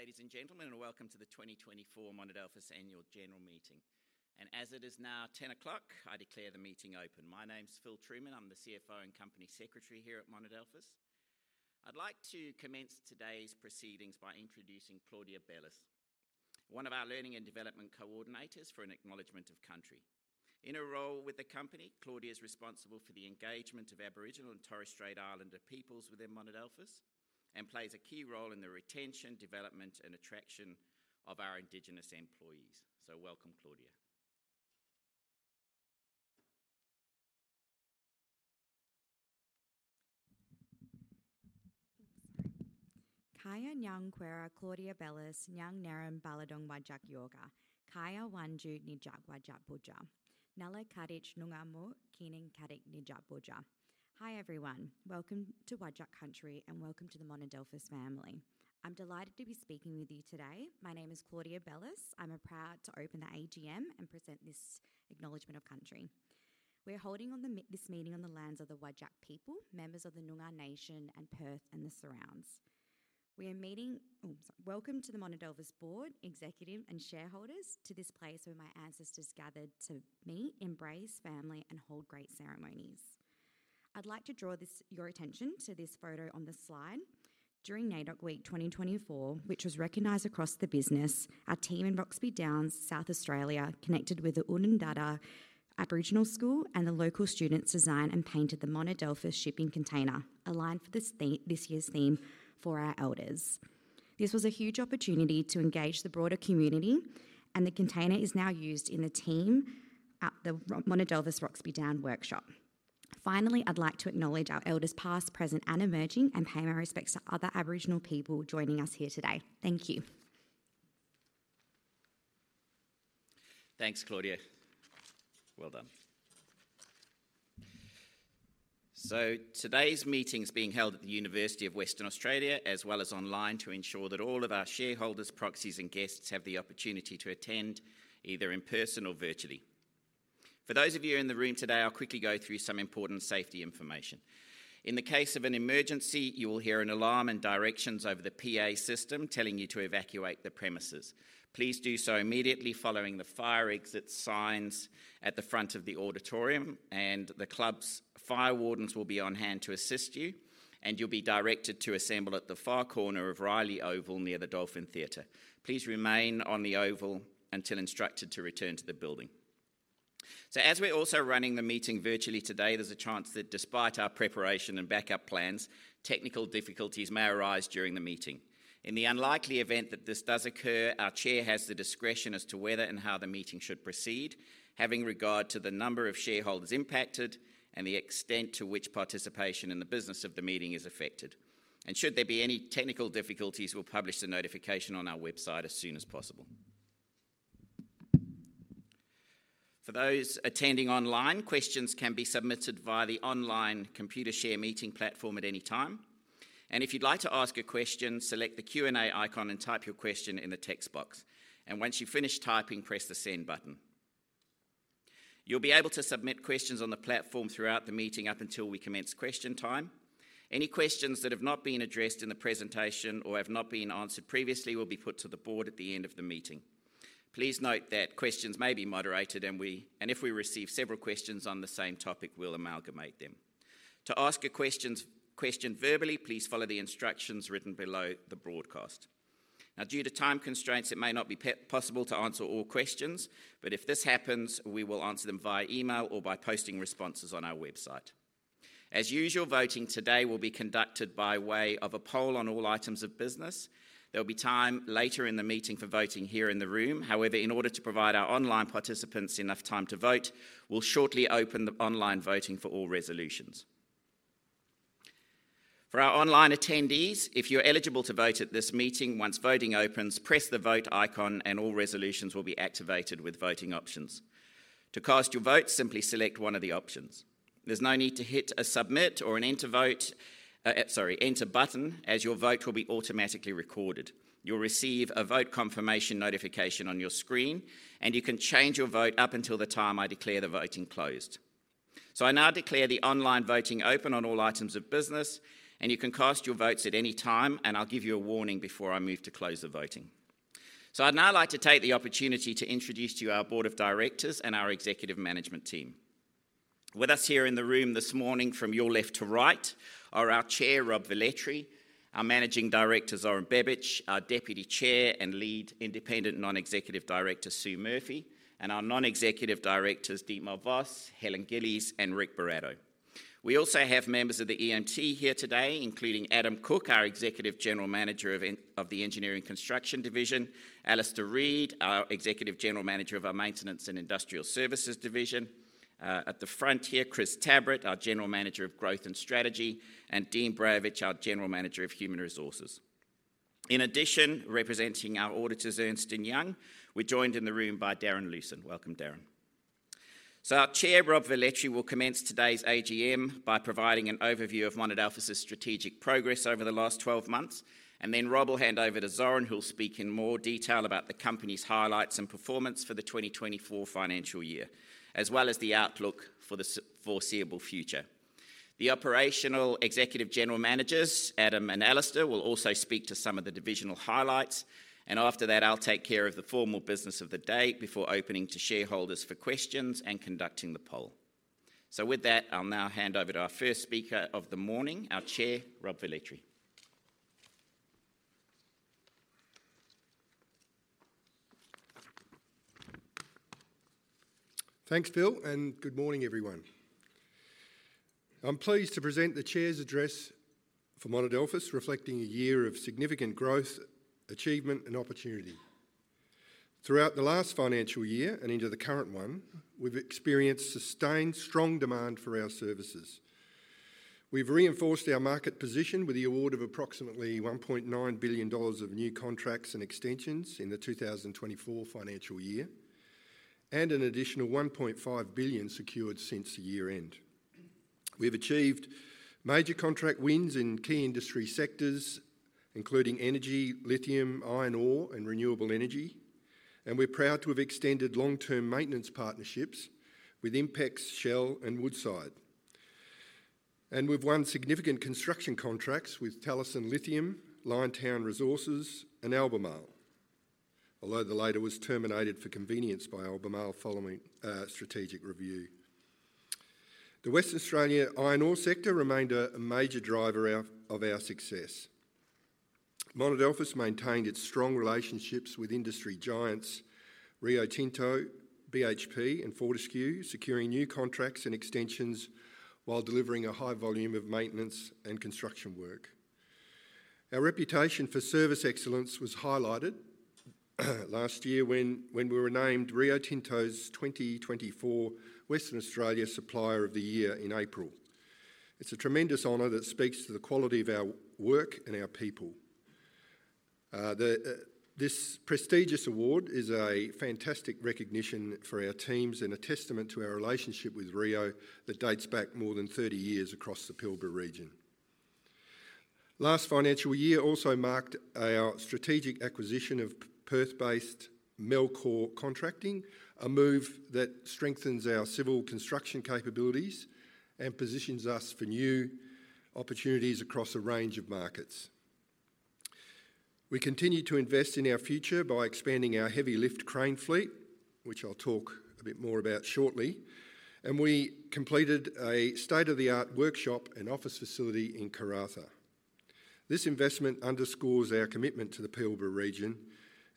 Good morning, ladies and gentlemen, and welcome to the 2024 Monadelphous Annual General Meeting, and as it is now 10:00 A.M., I declare the meeting open. My name's Phil Trueman. I'm the CFO and Company Secretary here at Monadelphous. I'd like to commence today's proceedings by introducing Claudia Bellis, one of our Learning and Development Coordinators, for an acknowledgment of country. In her role with the company, Claudia is responsible for the engagement of Aboriginal and Torres Strait Islander peoples within Monadelphous and plays a key role in the retention, development, and attraction of our Indigenous employees, so welcome, Claudia. Kaya Nyang Kwera Claudia Bellis, Nyang Nerim Balladong Whadjuk Yoga, Kaya Wanju Nijag Wajak Buja, Nala Kadich Nungamu, Kining Kadik Nijak Buja. Hi everyone, welcome to Wajak Country and welcome to the Monadelphous family. I'm delighted to be speaking with you today. My name is Claudia Bellis. I'm proud to open the AGM and present this acknowledgment of country. We are holding this meeting on the lands of the Wajak people, members of the Noongar Nation and Perth and the surrounds. We are meeting, oh, sorry, welcome to the Monadelphous Board, Executive, and shareholders to this place where my ancestors gathered to meet, embrace, family, and hold great ceremonies. I'd like to draw your attention to this photo on the slide. During NAIDOC Week 2024, which was recognized across the business, our team in Roxby Downs, South Australia, connected with the Andamooka Primary School and the local students designed and painted the Monadelphous shipping container aligned for this year's theme for our elders. This was a huge opportunity to engage the broader community, and the container is now used in the team at the Monadelphous Roxby Downs workshop. Finally, I'd like to acknowledge our elders past, present, and emerging, and pay my respects to other Aboriginal people joining us here today. Thank you. Thanks, Claudia. Well done. So today's meeting is being held at The University of Western Australia as well as online to ensure that all of our shareholders, proxies, and guests have the opportunity to attend either in person or virtually. For those of you in the room today, I'll quickly go through some important safety information. In the case of an emergency, you will hear an alarm and directions over the PA system telling you to evacuate the premises. Please do so immediately following the fire exit signs at the front of the auditorium, and the club's fire wardens will be on hand to assist you, and you'll be directed to assemble at the far corner of Riley Oval near the Dolphin Theatre. Please remain on the oval until instructed to return to the building. As we're also running the meeting virtually today, there's a chance that despite our preparation and backup plans, technical difficulties may arise during the meeting. In the unlikely event that this does occur, our Chair has the discretion as to whether and how the meeting should proceed, having regard to the number of shareholders impacted and the extent to which participation in the business of the meeting is affected. Should there be any technical difficulties, we'll publish the notification on our website as soon as possible. For those attending online, questions can be submitted via the online Computershare meeting platform at any time. If you'd like to ask a question, select the Q&A icon and type your question in the text box. Once you've finished typing, press the send button. You'll be able to submit questions on the platform throughout the meeting up until we commence question time. Any questions that have not been addressed in the presentation or have not been answered previously will be put to the board at the end of the meeting. Please note that questions may be moderated, and if we receive several questions on the same topic, we'll amalgamate them. To ask a question verbally, please follow the instructions written below the broadcast. Now, due to time constraints, it may not be possible to answer all questions, but if this happens, we will answer them via email or by posting responses on our website. As usual, voting today will be conducted by way of a poll on all items of business. There'll be time later in the meeting for voting here in the room. However, in order to provide our online participants enough time to vote, we'll shortly open the online voting for all resolutions. For our online attendees, if you're eligible to vote at this meeting, once voting opens, press the vote icon and all resolutions will be activated with voting options. To cast your vote, simply select one of the options. There's no need to hit a submit or an enter vote, sorry, enter button, as your vote will be automatically recorded. You'll receive a vote confirmation notification on your screen, and you can change your vote up until the time I declare the voting closed. So I now declare the online voting open on all items of business, and you can cast your votes at any time, and I'll give you a warning before I move to close the voting. So I'd now like to take the opportunity to introduce to you our board of directors and our executive management team. With us here in the room this morning, from your left to right, are our Chair, Rob Velletri, our Managing Director, Zoran Bebic, our Deputy Chair and Lead Independent Non-executive Director, Sue Murphy, and our non-executive directors, Dietmar Voss, Helen Gillies, and Rick Buratto. We also have members of the executive team here today, including Adam Cook, our Executive General Manager of the engineering construction division, Alistair Reed, our Executive General Manager of our maintenance and industrial services division. At the front here, Chris Tabrett, our General Manager of growth and strategy, and Dean Bavich, our General Manager of human resources. In addition, representing our auditors, Ernst & Young, we're joined in the room by Darren Lewsen. Welcome, Darren. Our chair, Rob Velletri, will commence today's AGM by providing an overview of Monadelphous's strategic progress over the last 12 months, and then Rob will hand over to Zoran, who'll speak in more detail about the company's highlights and performance for the 2024 financial year, as well as the outlook for the foreseeable future. The operational executive general managers, Adam and Alistair, will also speak to some of the divisional highlights, and after that, I'll take care of the formal business of the day before opening to shareholders for questions and conducting the poll. With that, I'll now hand over to our first speaker of the morning, our chair, Rob Velletri. Thanks, Phil, and good morning, everyone. I'm pleased to present the chair's address for Monadelphous, reflecting a year of significant growth, achievement, and opportunity. Throughout the last financial year and into the current one, we've experienced sustained strong demand for our services. We've reinforced our market position with the award of approximately 1.9 billion dollars of new contracts and extensions in the 2024 financial year, and an additional 1.5 billion secured since the year-end. We've achieved major contract wins in key industry sectors, including energy, lithium, iron ore, and renewable energy, and we're proud to have extended long-term maintenance partnerships with INPEX, Shell, and Woodside, and we've won significant construction contracts with Talison Lithium, Liontown Resources, and Albemarle, although the latter was terminated for convenience by Albemarle following strategic review. The Western Australia iron ore sector remained a major driver of our success. Monadelphous maintained its strong relationships with industry giants, Rio Tinto, BHP, and Fortescue, securing new contracts and extensions while delivering a high volume of maintenance and construction work. Our reputation for service excellence was highlighted last year when we were named Rio Tinto's 2024 Western Australia Supplier of the Year in April. It's a tremendous honour that speaks to the quality of our work and our people. This prestigious award is a fantastic recognition for our teams and a testament to our relationship with Rio that dates back more than 30 years across the Pilbara region. Last financial year also marked our strategic acquisition of Perth-based Melchor Contracting, a move that strengthens our civil construction capabilities and positions us for new opportunities across a range of markets. We continue to invest in our future by expanding our heavy-lift crane fleet, which I'll talk a bit more about shortly, and we completed a state-of-the-art workshop and office facility in Karratha. This investment underscores our commitment to the Pilbara region,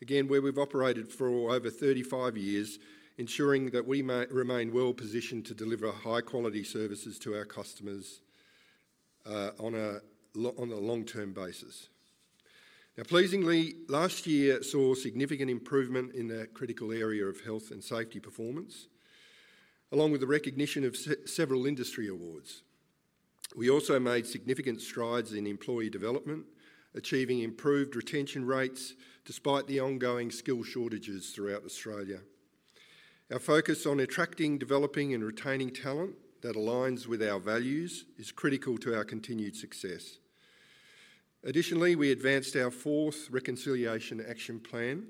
again, where we've operated for over 35 years, ensuring that we remain well-positioned to deliver high-quality services to our customers on a long-term basis. Now, pleasingly, last year saw significant improvement in the critical area of health and safety performance, along with the recognition of several industry awards. We also made significant strides in employee development, achieving improved retention rates despite the ongoing skill shortages throughout Australia. Our focus on attracting, developing, and retaining talent that aligns with our values is critical to our continued success. Additionally, we advanced our fourth reconciliation action plan,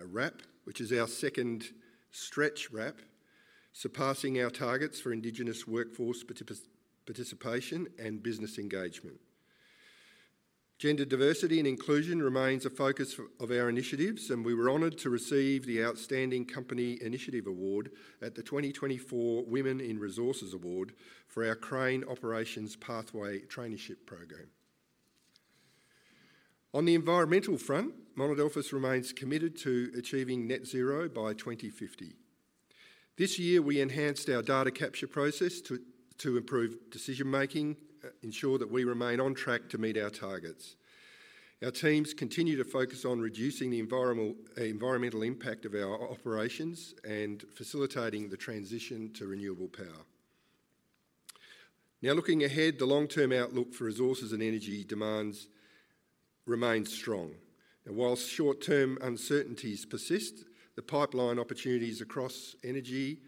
a RAP, which is our second stretch RAP, surpassing our targets for Indigenous workforce participation and business engagement. Gender diversity and inclusion remains a focus of our initiatives, and we were honored to receive the Outstanding Company Initiative Award at the 2024 Women in Resources Award for our Crane Operations Pathway Traineeship Program. On the environmental front, Monadelphous remains committed to achieving net zero by 2050. This year, we enhanced our data capture process to improve decision-making and ensure that we remain on track to meet our targets. Our teams continue to focus on reducing the environmental impact of our operations and facilitating the transition to renewable power. Now, looking ahead, the long-term outlook for resources and energy demands remains strong. While short-term uncertainties persist, the pipeline opportunities across energy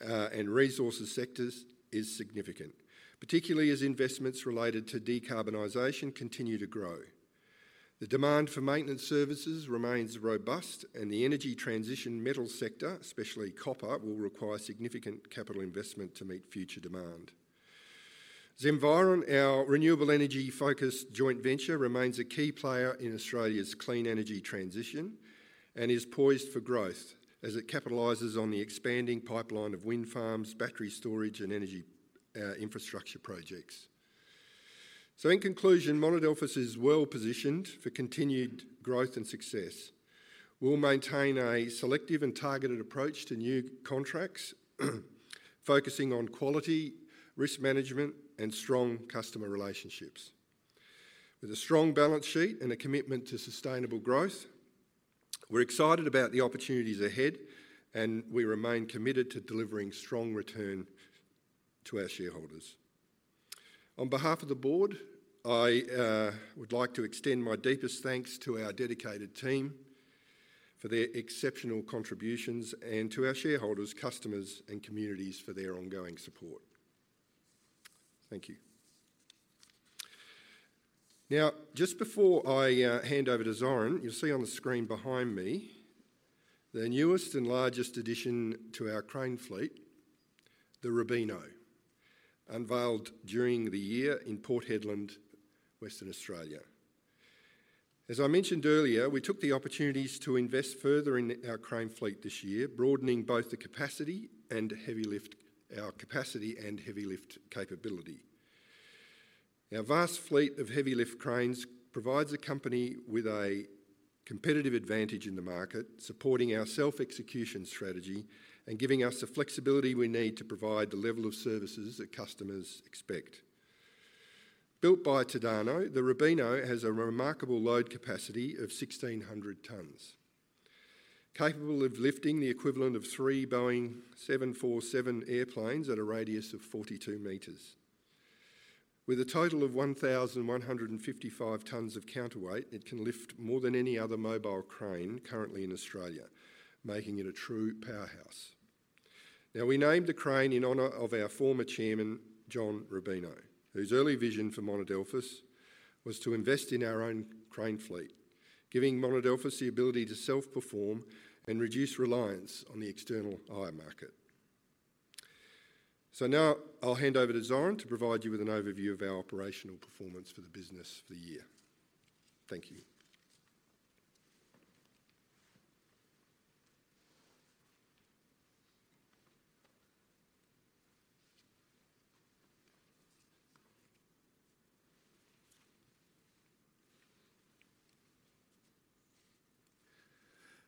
and resources sectors are significant, particularly as investments related to decarbonization continue to grow. The demand for maintenance services remains robust, and the energy transition metal sector, especially copper, will require significant capital investment to meet future demand. Zenviron, our renewable energy-focused joint venture, remains a key player in Australia's clean energy transition and is poised for growth as it capitalizes on the expanding pipeline of wind farms, battery storage, and energy infrastructure projects. So, in conclusion, Monadelphous is well-positioned for continued growth and success. We'll maintain a selective and targeted approach to new contracts, focusing on quality, risk management, and strong customer relationships. With a strong balance sheet and a commitment to sustainable growth, we're excited about the opportunities ahead, and we remain committed to delivering strong returns to our shareholders. On behalf of the board, I would like to extend my deepest thanks to our dedicated team for their exceptional contributions and to our shareholders, customers, and communities for their ongoing support. Thank you. Now, just before I hand over to Zoran, you'll see on the screen behind me the newest and largest addition to our crane fleet, the Rubino, unveiled during the year in Port Hedland, Western Australia. As I mentioned earlier, we took the opportunities to invest further in our crane fleet this year, broadening both the capacity and heavy-lift capability. Our vast fleet of heavy-lift cranes provides the company with a competitive advantage in the market, supporting our self-execution strategy and giving us the flexibility we need to provide the level of services that customers expect. Built by Tadano, the Rubino has a remarkable load capacity of 1,600 tonnes, capable of lifting the equivalent of three Boeing 747 airplanes at a radius of 42 meters. With a total of 1,155 tonnes of counterweight, it can lift more than any other mobile crane currently in Australia, making it a true powerhouse. Now, we named the crane in honor of our former chairman, John Rubino, whose early vision for Monadelphous was to invest in our own crane fleet, giving Monadelphous the ability to self-perform and reduce reliance on the external hire market. So now I'll hand over to Zoran to provide you with an overview of our operational performance for the business for the year. Thank you.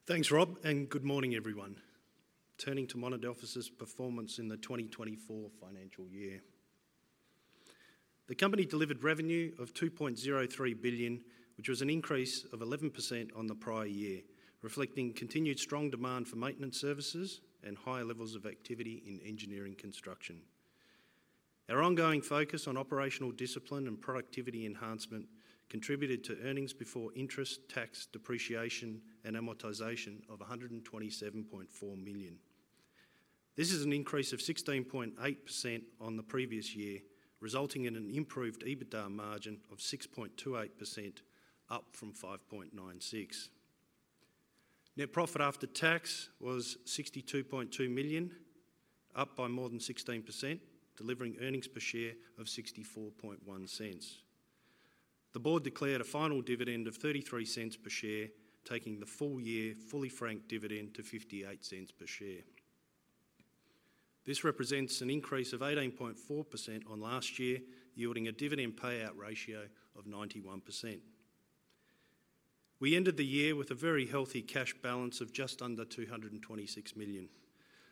Thanks, Rob, and good morning, everyone. Turning to Monadelphous's performance in the 2024 financial year, the company delivered revenue of 2.03 billion, which was an increase of 11% on the prior year, reflecting continued strong demand for maintenance services and higher levels of activity in engineering construction. Our ongoing focus on operational discipline and productivity enhancement contributed to earnings before interest, tax, depreciation, and amortization of 127.4 million. This is an increase of 16.8% on the previous year, resulting in an improved EBITDA margin of 6.28%, up from 5.96%. Net profit after tax was 62.2 million, up by more than 16%, delivering earnings per share of 0.64. The board declared a final dividend of 0.33 per share, taking the full-year fully franked dividend to 0.58 per share. This represents an increase of 18.4% on last year, yielding a dividend payout ratio of 91%. We ended the year with a very healthy cash balance of just under 226 million,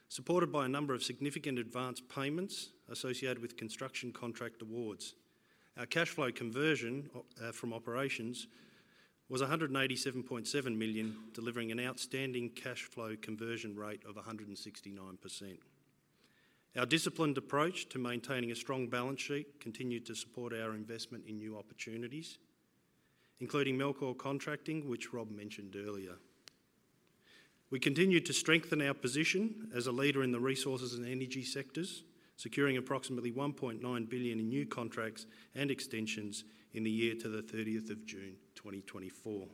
supported by a number of significant advance payments associated with construction contract awards. Our cash flow conversion from operations was 187.7 million, delivering an outstanding cash flow conversion rate of 169%. Our disciplined approach to maintaining a strong balance sheet continued to support our investment in new opportunities, including Melchor Contracting, which Rob mentioned earlier. We continued to strengthen our position as a leader in the resources and energy sectors, securing approximately 1.9 billion in new contracts and extensions in the year to the 30th of June, 2024.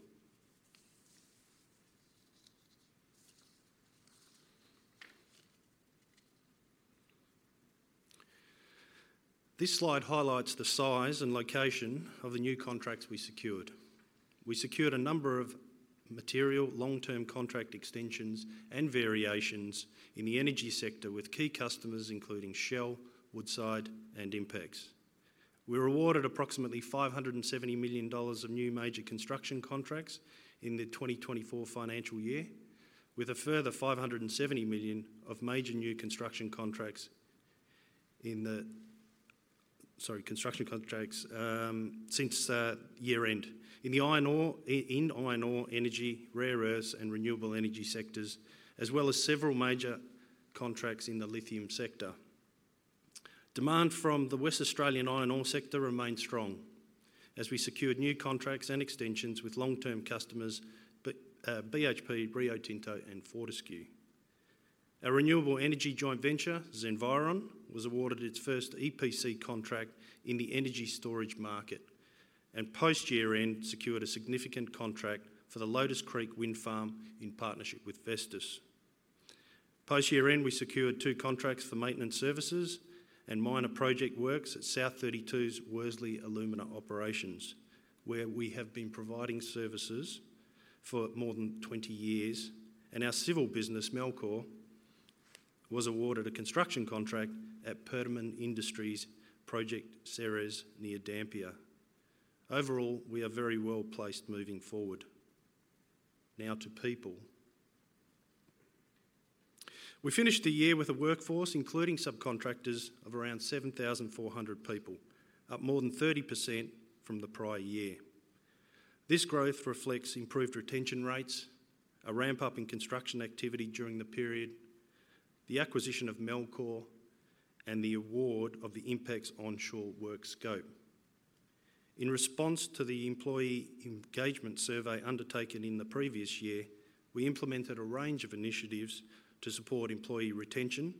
This slide highlights the size and location of the new contracts we secured. We secured a number of material long-term contract extensions and variations in the energy sector with key customers, including Shell, Woodside, and INPEX. We awarded approximately 570 million dollars of new major construction contracts in the 2024 financial year, with a further 570 million of major new construction contracts since year-end in iron ore, energy, rare earths, and renewable energy sectors, as well as several major contracts in the lithium sector. Demand from the Western Australian iron ore sector remained strong as we secured new contracts and extensions with long-term customers, BHP, Rio Tinto, and Fortescue. Our renewable energy joint venture, Zenviron, was awarded its first EPC contract in the energy storage market and post-year-end secured a significant contract for the Lotus Creek wind farm in partnership with Vestas. Post-year-end, we secured two contracts for maintenance services and minor project works at South32's Worsley Alumina Operations, where we have been providing services for more than 20 years, and our civil business, Melchor, was awarded a construction contract at Perdaman Industries Project Ceres near Dampier. Overall, we are very well placed moving forward. Now to people. We finished the year with a workforce, including subcontractors, of around 7,400 people, up more than 30% from the prior year. This growth reflects improved retention rates, a ramp-up in construction activity during the period, the acquisition of Melchor, and the award of the INPEX onshore work scope. In response to the employee engagement survey undertaken in the previous year, we implemented a range of initiatives to support employee retention,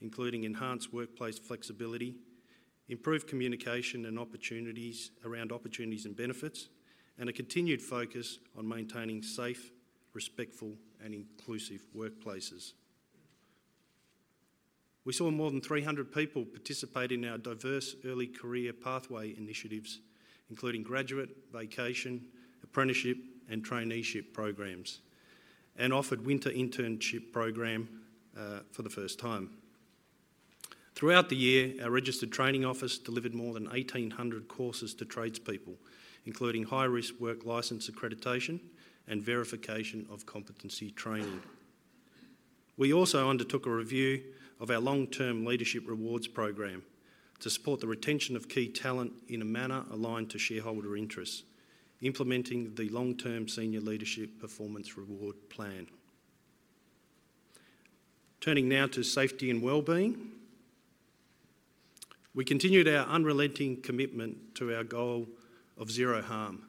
including enhanced workplace flexibility, improved communication and opportunities around opportunities and benefits, and a continued focus on maintaining safe, respectful, and inclusive workplaces. We saw more than 300 people participate in our diverse early career pathway initiatives, including graduate, vacation, apprenticeship, and traineeship programs, and offered winter internship programs for the first time. Throughout the year, our registered training office delivered more than 1,800 courses to tradespeople, including high-risk work license accreditation and verification of competency training. We also undertook a review of our long-term leadership rewards program to support the retention of key talent in a manner aligned to shareholder interests, implementing the long-term senior leadership performance reward plan. Turning now to safety and well-being, we continued our unrelenting commitment to our goal of zero harm,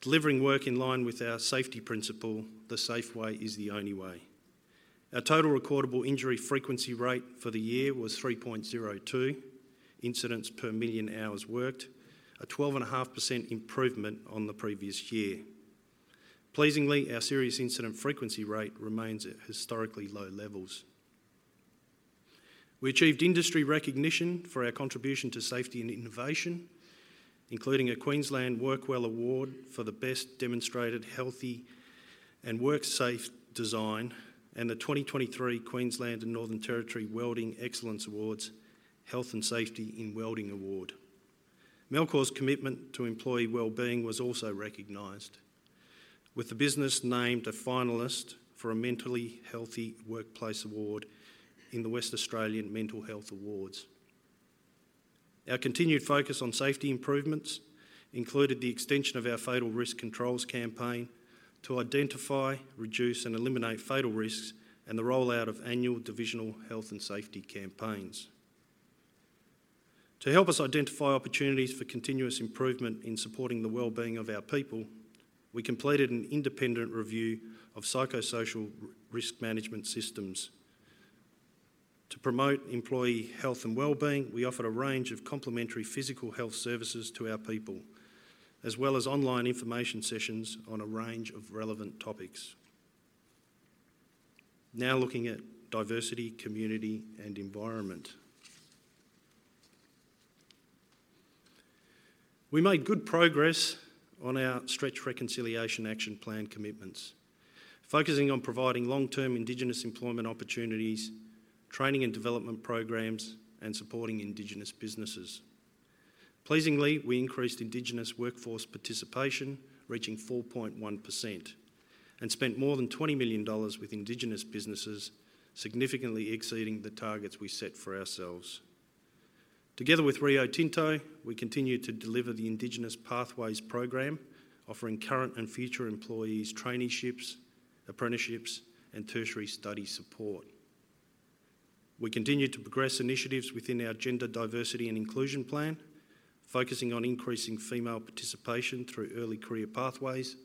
delivering work in line with our safety principle, the safe way is the only way. Our total recordable injury frequency rate for the year was 3.02 incidents per million hours worked, a 12.5% improvement on the previous year. Pleasingly, our serious incident frequency rate remains at historically low levels. We achieved industry recognition for our contribution to safety and innovation, including a Queensland WorkWell Award for the best demonstrated healthy and work-safe design and the 2023 Queensland and Northern Territory Welding Excellence Awards Health and Safety in Welding Award. Melchor's commitment to employee well-being was also recognized, with the business named a finalist for a Mentally Healthy Workplace Award in the Western Australian Mental Health Awards. Our continued focus on safety improvements included the extension of our Fatal Risk Controls Campaign to identify, reduce, and eliminate fatal risks and the rollout of annual divisional health and safety campaigns. To help us identify opportunities for continuous improvement in supporting the well-being of our people, we completed an independent review of psychosocial risk management systems. To promote employee health and well-being, we offered a range of complementary physical health services to our people, as well as online information sessions on a range of relevant topics. Now looking at diversity, community, and environment. We made good progress on our Stretch Reconciliation Action Plan commitments, focusing on providing long-term Indigenous employment opportunities, training and development programs, and supporting Indigenous businesses. Pleasingly, we increased Indigenous workforce participation, reaching 4.1%, and spent more than 20 million dollars with Indigenous businesses, significantly exceeding the targets we set for ourselves. Together with Rio Tinto, we continue to deliver the Indigenous Pathways Program, offering current and future employees traineeships, apprenticeships, and tertiary study support. We continue to progress initiatives within our Gender Diversity and Inclusion Plan, focusing on increasing female participation through early career pathways,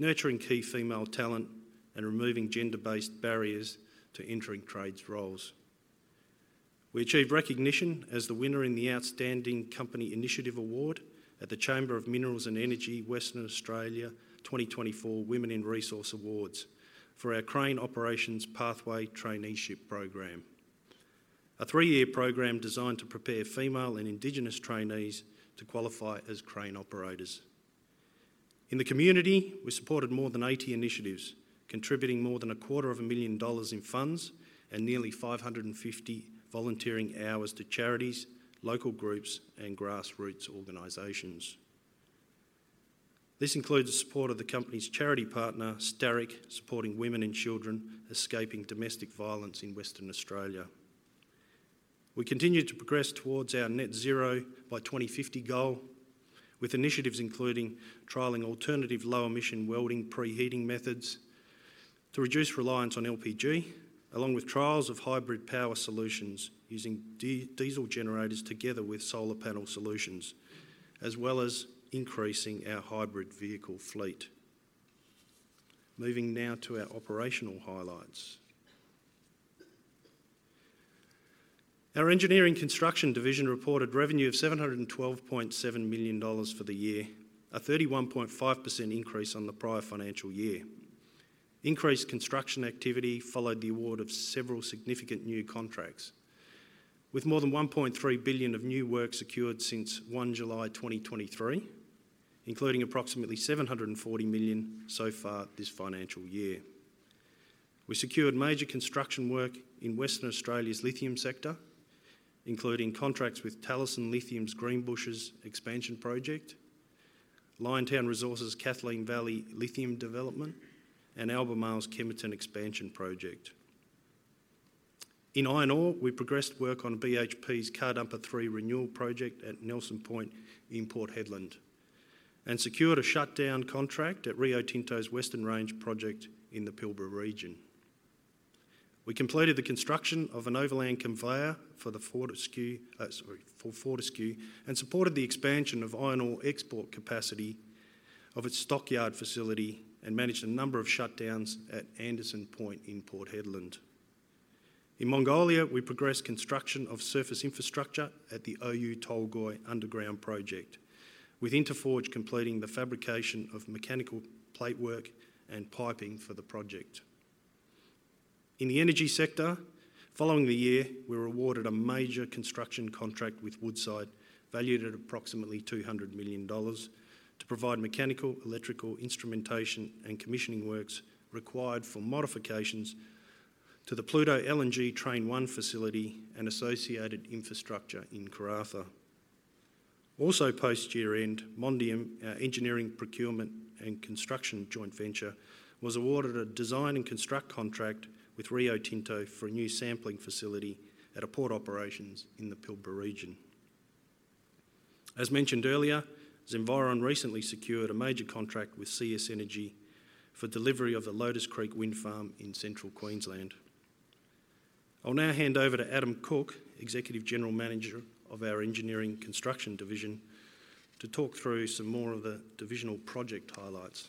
nurturing key female talent, and removing gender-based barriers to entering trades roles. We achieved recognition as the winner in the Outstanding Company Initiative Award at the Chamber of Minerals and Energy of Western Australia 2024 Women in Resources Awards for our Crane Operations Pathway Traineeship Program, a three-year program designed to prepare female and Indigenous trainees to qualify as crane operators. In the community, we supported more than 80 initiatives, contributing more than 250,000 dollars in funds and nearly 550 volunteering hours to charities, local groups, and grassroots organizations. This includes the support of the company's charity partner, Starick, supporting women and children escaping domestic violence in Western Australia. We continue to progress towards our net zero by 2050 goal, with initiatives including trialing alternative low-emission welding preheating methods to reduce reliance on LPG, along with trials of hybrid power solutions using diesel generators together with solar panel solutions, as well as increasing our hybrid vehicle fleet. Moving now to our operational highlights. Our Engineering Construction Division reported revenue of 712.7 million dollars for the year, a 31.5% increase on the prior financial year. Increased construction activity followed the award of several significant new contracts, with more than 1.3 billion of new work secured since 1 July 2023, including approximately 740 million so far this financial year. We secured major construction work in Western Australia's lithium sector, including contracts with Talison Lithium's Greenbushes Expansion Project, Liontown Resources' Kathleen Valley Lithium Development, and Albemarle's Kemerton Expansion Project. In iron ore, we progressed work on BHP's Car Dumper 3 Renewal Project at Nelson Point in Port Hedland and secured a shutdown contract at Rio Tinto's Western Range Project in the Pilbara region. We completed the construction of an overland conveyor for Fortescue and supported the expansion of iron ore export capacity of its stockyard facility and managed a number of shutdowns at Anderson Point in Port Hedland. In Mongolia, we progressed construction of surface infrastructure at the Oyu Tolgoi Underground Project, with Inteforge completing the fabrication of mechanical plate work and piping for the project. In the energy sector, following the year, we were awarded a major construction contract with Woodside, valued at approximately 200 million dollars, to provide mechanical, electrical, instrumentation, and commissioning works required for modifications to the Pluto LNG Train 1 facility and associated infrastructure in Karratha. Also, post-year-end, Mondium, our Engineering Procurement and Construction Joint Venture, was awarded a design and construct contract with Rio Tinto for a new sampling facility at a port operations in the Pilbara region. As mentioned earlier, Zenviron recently secured a major contract with CS Energy for delivery of the Lotus Creek wind farm in central Queensland. I'll now hand over to Adam Cook, Executive General Manager of our Engineering Construction Division, to talk through some more of the divisional project highlights.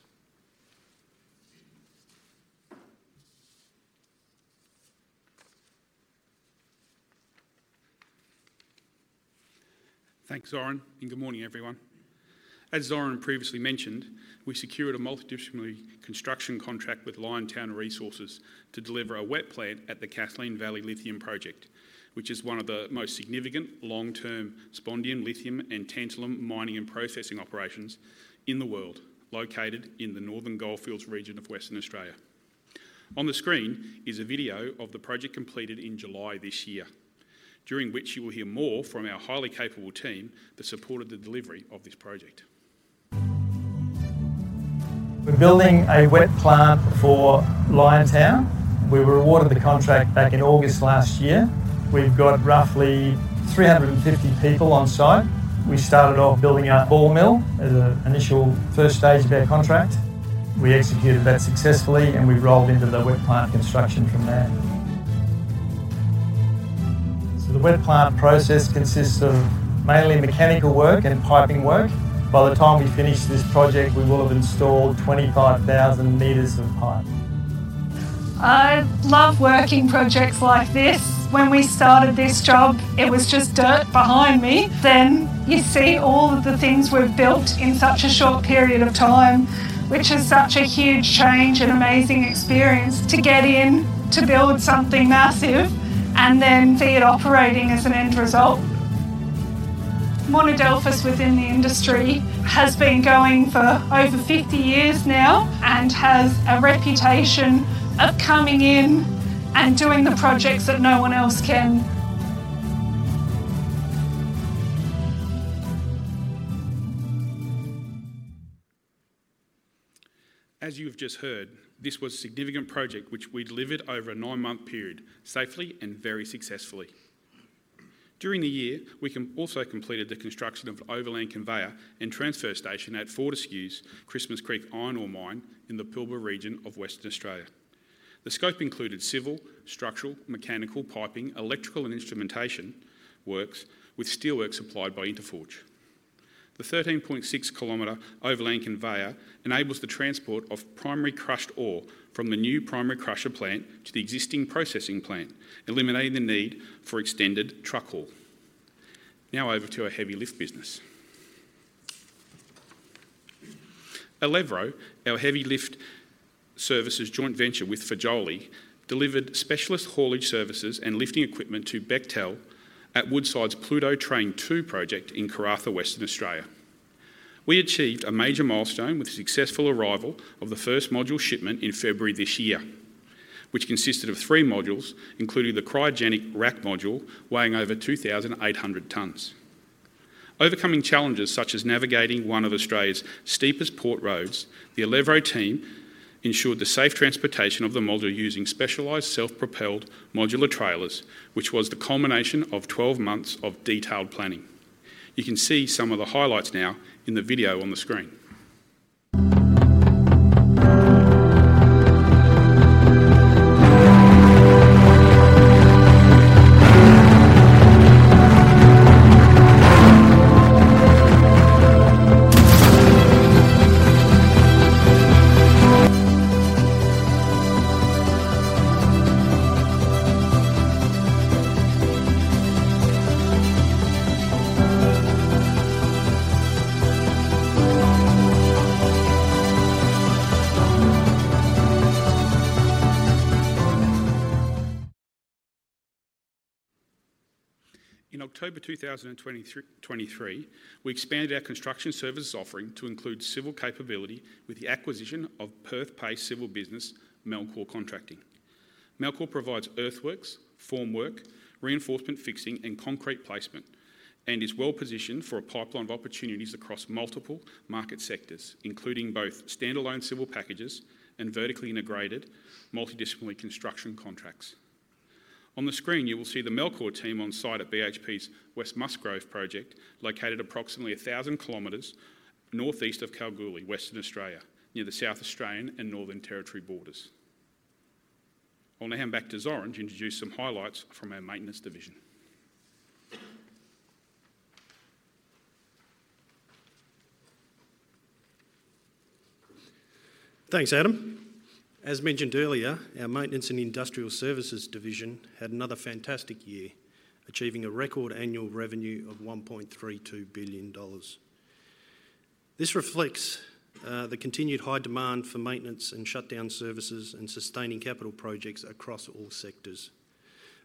Thanks, Zoran, and good morning, everyone. As Zoran previously mentioned, we secured a multidisciplinary construction contract with Liontown Resources to deliver a wet plant at the Kathleen Valley Lithium Project, which is one of the most significant long-term spodumene lithium and tantalum mining and processing operations in the world, located in the Northern Goldfields region of Western Australia. On the screen is a video of the project completed in July this year, during which you will hear more from our highly capable team that supported the delivery of this project. We're building a wet plant for Liontown. We were awarded the contract back in August last year. We've got roughly 350 people on site. We started off building our ball mill as an initial first stage of our contract. We executed that successfully, and we rolled into the wet plant construction from there. So the wet plant process consists of mainly mechanical work and piping work. By the time we finish this project, we will have installed 25,000 meters of pipe. I love working projects like this. When we started this job, it was just dirt behind me. Then you see all of the things we've built in such a short period of time, which is such a huge change and amazing experience to get in to build something massive and then see it operating as an end result. Monadelphous within the industry has been going for over 50 years now and has a reputation of coming in and doing the projects that no one else can. As you've just heard, this was a significant project, which we delivered over a nine-month period safely and very successfully. During the year, we also completed the construction of the overland conveyor and transfer station at Fortescue's Christmas Creek iron ore mine in the Pilbara region of Western Australia. The scope included civil, structural, mechanical, piping, electrical, and instrumentation works, with steelworks supplied by Inteforge. The 13.6 kilometer overland conveyor enables the transport of primary crushed ore from the new primary crusher plant to the existing processing plant, eliminating the need for extended truck haul. Now over to our heavy lift business. Alevro, our heavy lift services joint venture with Fagioli, delivered specialist haulage services and lifting equipment to Bechtel at Woodside's Pluto Train 2 project in Karratha, Western Australia. We achieved a major milestone with the successful arrival of the first module shipment in February this year, which consisted of three modules, including the cryogenic rack module weighing over 2,800 tonnes. Overcoming challenges such as navigating one of Australia's steepest port roads, the Alevro team ensured the safe transportation of the module using specialized self-propelled modular trailers, which was the culmination of 12 months of detailed planning. You can see some of the highlights now in the video on the screen. In October 2023, we expanded our construction services offering to include civil capability with the acquisition of Perth-based civil business Melchor Contracting. Melchor provides earthworks, formwork, reinforcement fixing, and concrete placement, and is well positioned for a pipeline of opportunities across multiple market sectors, including both standalone civil packages and vertically integrated multidisciplinary construction contracts. On the screen, you will see the Melchor team on site at BHP's West Musgrave Project, located approximately 1,000 kilometers northeast of Kalgoorlie, Western Australia, near the South Australian and Northern Territory borders. I'll now hand back to Zoran to introduce some highlights from our Maintenance Division. Thanks, Adam. As mentioned earlier, our Maintenance and Industrial Services Division had another fantastic year, achieving a record annual revenue of 1.32 billion dollars. This reflects the continued high demand for maintenance and shutdown services and sustaining capital projects across all sectors.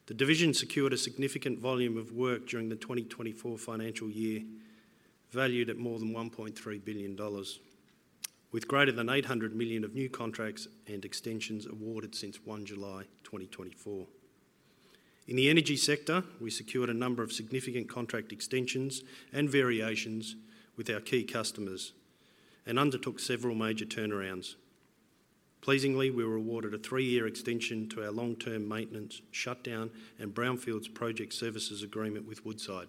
The division secured a significant volume of work during the 2024 financial year, valued at more than 1.3 billion dollars, with greater than 800 million of new contracts and extensions awarded since 1 July 2024. In the energy sector, we secured a number of significant contract extensions and variations with our key customers and undertook several major turnarounds. Pleasingly, we were awarded a three-year extension to our long-term maintenance, shutdown, and brownfields project services agreement with Woodside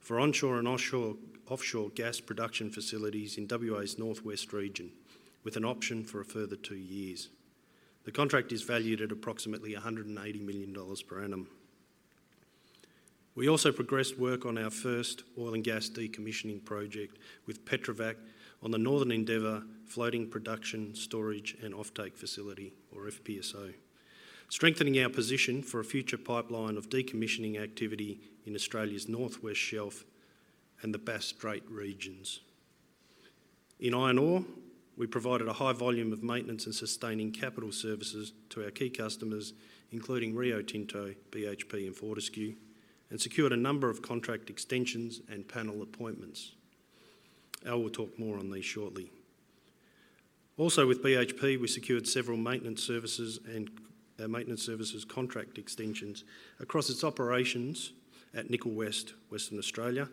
for onshore and offshore gas production facilities in WA's Northwest region, with an option for a further two years. The contract is valued at approximately AUD 180 million per annum. We also progressed work on our first oil and gas decommissioning project with Petrofac on the Northern Endeavour Floating Production, Storage, and Offtake Facility, or FPSO, strengthening our position for a future pipeline of decommissioning activity in Australia's Northwest shelf and the Bass Strait regions. In iron ore, we provided a high volume of maintenance and sustaining capital services to our key customers, including Rio Tinto, BHP, and Fortescue, and secured a number of contract extensions and panel appointments. Al will talk more on these shortly. Also, with BHP, we secured several maintenance services and our maintenance services contract extensions across its operations at Nickel West, Western Australia,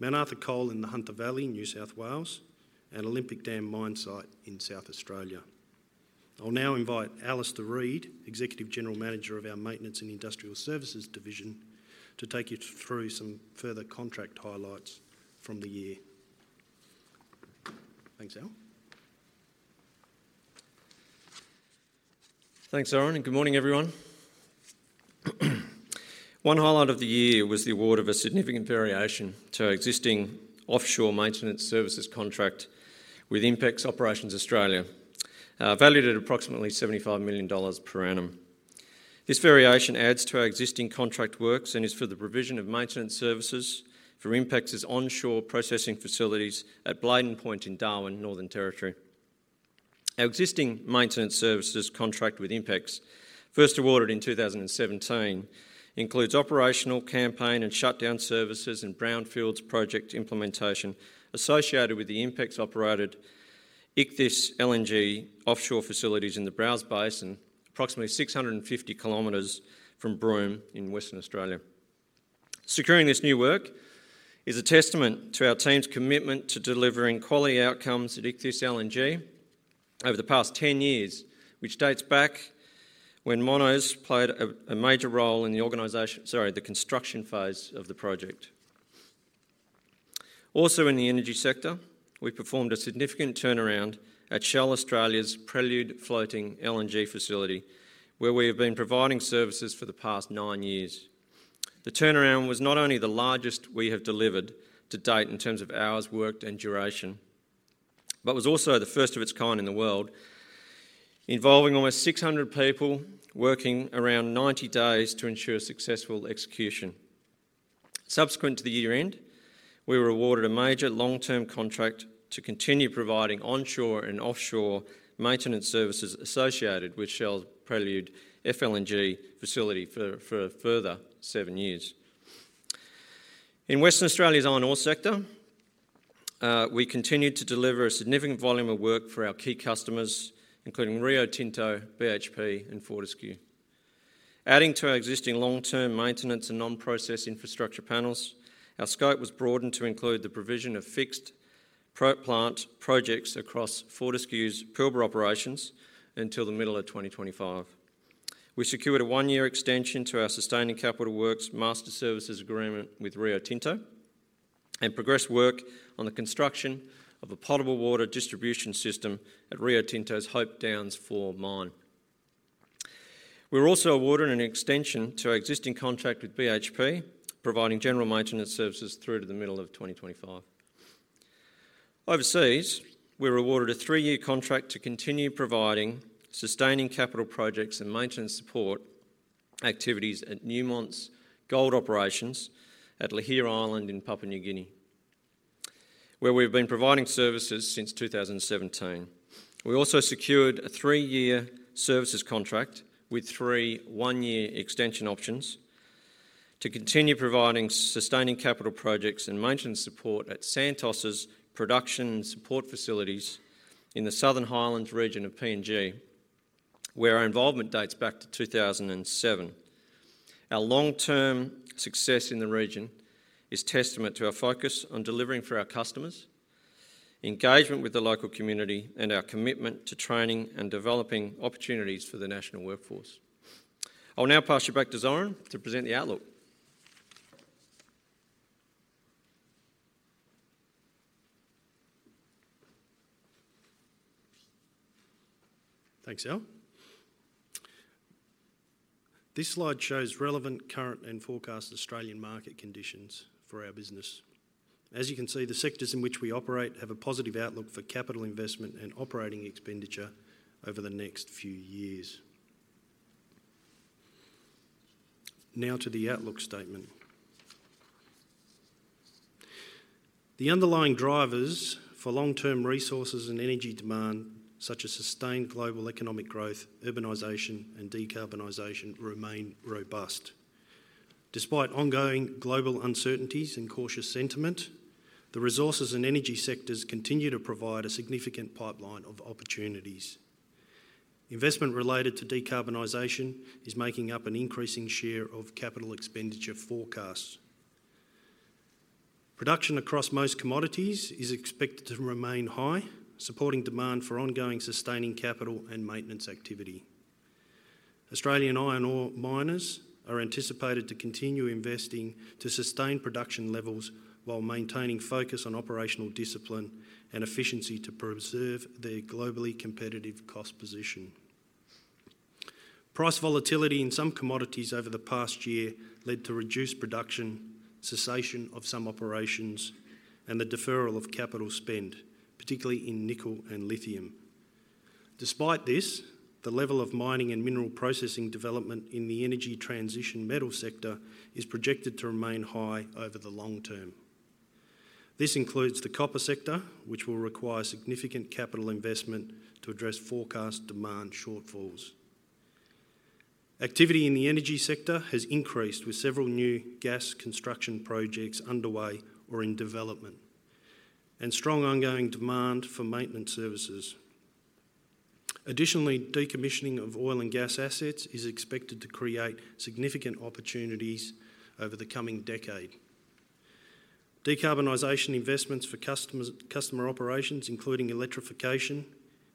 Mt Arthur Coal in the Hunter Valley, New South Wales, and Olympic Dam mine site in South Australia. I'll now invite Alistair Reed, Executive General Manager of our Maintenance and Industrial Services Division, to take you through some further contract highlights from the year. Thanks, Al. Thanks, Zoran, and good morning, everyone. One highlight of the year was the award of a significant variation to our existing offshore maintenance services contract with INPEX Operations Australia, valued at approximately 75 million dollars per annum. This variation adds to our existing contract works and is for the provision of maintenance services for INPEX's onshore processing facilities at Bladin Point in Darwin, Northern Territory. Our existing maintenance services contract with INPEX, first awarded in 2017, includes operational, campaign, and shutdown services and brownfields project implementation associated with the INPEX-operated Ichthys LNG offshore facilities in the Browse Basin, approximately 650 km from Broome in Western Australia. Securing this new work is a testament to our team's commitment to delivering quality outcomes at Ichthys LNG over the past 10 years, which dates back when Monadelphous played a major role in the organization, sorry, the construction phase of the project. Also, in the energy sector, we performed a significant turnaround at Shell Australia's Prelude Floating LNG facility, where we have been providing services for the past nine years. The turnaround was not only the largest we have delivered to date in terms of hours worked and duration, but was also the first of its kind in the world, involving almost 600 people working around 90 days to ensure successful execution. Subsequent to the year-end, we were awarded a major long-term contract to continue providing onshore and offshore maintenance services associated with Shell's Prelude FLNG facility for further seven years. In Western Australia's iron ore sector, we continued to deliver a significant volume of work for our key customers, including Rio Tinto, BHP, and Fortescue. Adding to our existing long-term maintenance and non-process infrastructure panels, our scope was broadened to include the provision of fixed plant projects across Fortescue's Pilbara operations until the middle of 2025. We secured a one-year extension to our sustaining capital works master services agreement with Rio Tinto and progressed work on the construction of a potable water distribution system at Rio Tinto's Hope Downs 4 Mine. We were also awarded an extension to our existing contract with BHP, providing general maintenance services through to the middle of 2025. Overseas, we were awarded a three-year contract to continue providing sustaining capital projects and maintenance support activities at Newmont's gold operations at Lihir Island in Papua New Guinea, where we have been providing services since 2017. We also secured a three-year services contract with three one-year extension options to continue providing sustaining capital projects and maintenance support at Santos's production and support facilities in the Southern Highlands region of Papua New Guinea, where our involvement dates back to 2007. Our long-term success in the region is testament to our focus on delivering for our customers, engagement with the local community, and our commitment to training and developing opportunities for the national workforce. I'll now pass you back to Zoran to present the outlook. Thanks, Al. This slide shows relevant current and forecast Australian market conditions for our business. As you can see, the sectors in which we operate have a positive outlook for capital investment and operating expenditure over the next few years. Now to the outlook statement. The underlying drivers for long-term resources and energy demand, such as sustained global economic growth, urbanization, and decarbonization, remain robust. Despite ongoing global uncertainties and cautious sentiment, the resources and energy sectors continue to provide a significant pipeline of opportunities. Investment related to decarbonization is making up an increasing share of capital expenditure forecasts. Production across most commodities is expected to remain high, supporting demand for ongoing sustaining capital and maintenance activity. Australian iron ore miners are anticipated to continue investing to sustain production levels while maintaining focus on operational discipline and efficiency to preserve their globally competitive cost position. Price volatility in some commodities over the past year led to reduced production, cessation of some operations, and the deferral of capital spend, particularly in nickel and lithium. Despite this, the level of mining and mineral processing development in the energy transition metal sector is projected to remain high over the long term. This includes the copper sector, which will require significant capital investment to address forecast demand shortfalls. Activity in the energy sector has increased with several new gas construction projects underway or in development and strong ongoing demand for maintenance services. Additionally, decommissioning of oil and gas assets is expected to create significant opportunities over the coming decade. Decarbonization investments for customer operations, including electrification,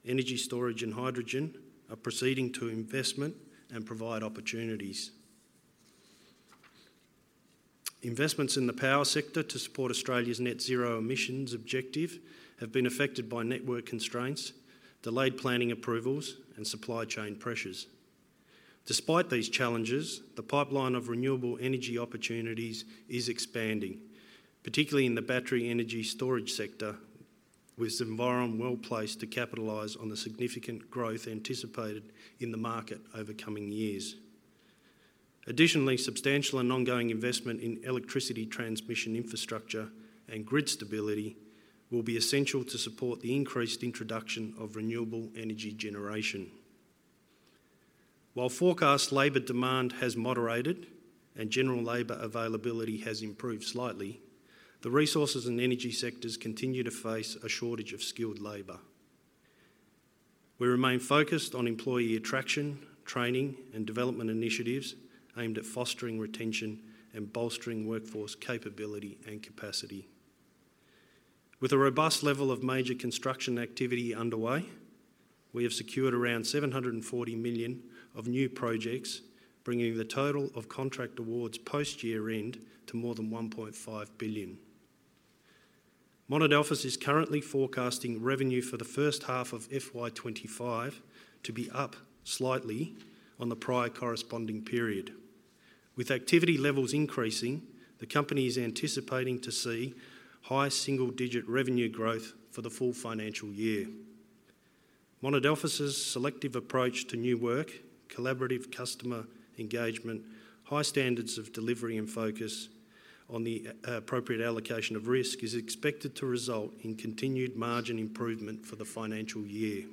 energy storage, and hydrogen, are proceeding to investment and provide opportunities. Investments in the power sector to support Australia's Net Zero emissions objective have been affected by network constraints, delayed planning approvals, and supply chain pressures. Despite these challenges, the pipeline of renewable energy opportunities is expanding, particularly in the battery energy storage sector, with Zenviron well placed to capitalize on the significant growth anticipated in the market over coming years. Additionally, substantial and ongoing investment in electricity transmission infrastructure and grid stability will be essential to support the increased introduction of renewable energy generation. While forecast labor demand has moderated and general labor availability has improved slightly, the resources and energy sectors continue to face a shortage of skilled labor. We remain focused on employee attraction, training, and development initiatives aimed at fostering retention and bolstering workforce capability and capacity. With a robust level of major construction activity underway, we have secured around 740 million of new projects, bringing the total of contract awards post-year-end to more than 1.5 billion. Monadelphous is currently forecasting revenue for the first half of FY25 to be up slightly on the prior corresponding period. With activity levels increasing, the company is anticipating to see high single-digit revenue growth for the full financial year. Monadelphous's selective approach to new work, collaborative customer engagement, high standards of delivery, and focus on the appropriate allocation of risk is expected to result in continued margin improvement for the financial year.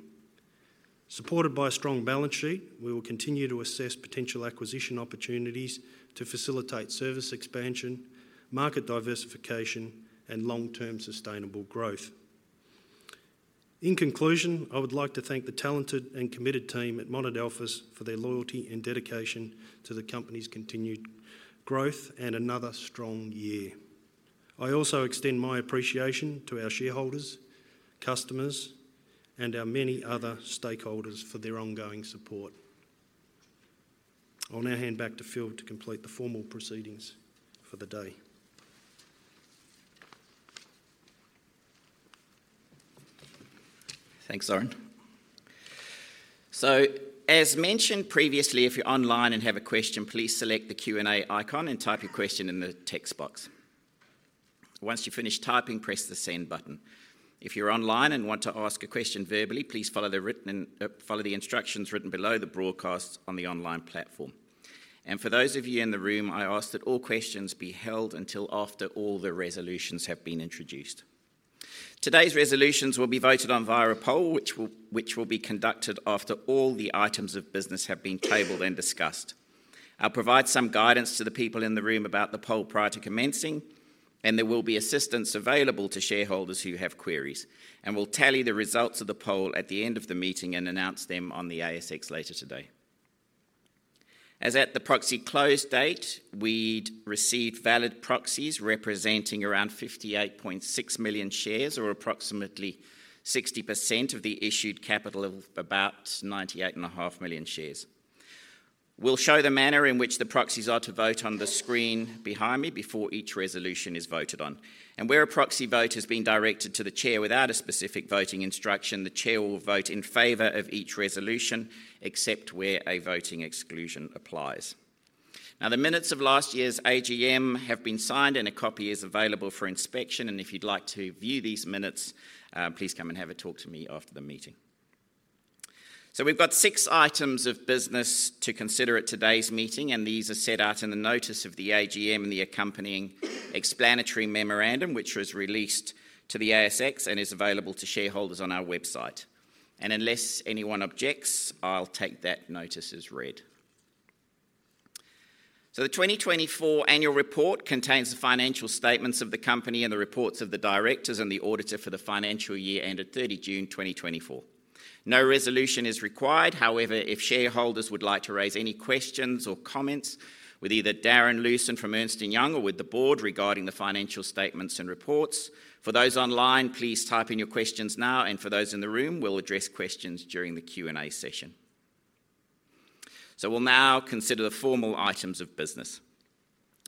Supported by a strong balance sheet, we will continue to assess potential acquisition opportunities to facilitate service expansion, market diversification, and long-term sustainable growth. In conclusion, I would like to thank the talented and committed team at Monadelphous for their loyalty and dedication to the company's continued growth and another strong year. I also extend my appreciation to our shareholders, customers, and our many other stakeholders for their ongoing support. I'll now hand back to Phil to complete the formal proceedings for the day. Thanks, Zoran. So, as mentioned previously, if you're online and have a question, please select the Q&A icon and type your question in the text box. Once you've finished typing, press the send button. If you're online and want to ask a question verbally, please follow the written instructions written below the broadcast on the online platform. And for those of you in the room, I ask that all questions be held until after all the resolutions have been introduced. Today's resolutions will be voted on via a poll, which will be conducted after all the items of business have been tabled and discussed. I'll provide some guidance to the people in the room about the poll prior to commencing, and there will be assistance available to shareholders who have queries. We'll tally the results of the poll at the end of the meeting and announce them on the ASX later today. As at the proxy close date, we'd received valid proxies representing around 58.6 million shares, or approximately 60% of the issued capital of about 98.5 million shares. We'll show the manner in which the proxies are to vote on the screen behind me before each resolution is voted on. And where a proxy vote has been directed to the chair without a specific voting instruction, the chair will vote in favour of each resolution, except where a voting exclusion applies. Now, the minutes of last year's AGM have been signed, and a copy is available for inspection. And if you'd like to view these minutes, please come and have a talk to me after the meeting. So we've got six items of business to consider at today's meeting, and these are set out in the notice of the AGM and the accompanying explanatory memorandum, which was released to the ASX and is available to shareholders on our website, and unless anyone objects, I'll take that notice as read, so the 2024 annual report contains the financial statements of the company and the reports of the directors and the auditor for the financial year ended 30 June 2024. No resolution is required. However, if shareholders would like to raise any questions or comments with either Darren Lewsen from Ernst & Young or with the board regarding the financial statements and reports, for those online, please type in your questions now, and for those in the room, we'll address questions during the Q&A session, so we'll now consider the formal items of business.